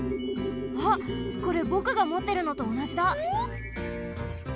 あっこれぼくがもってるのとおなじだ。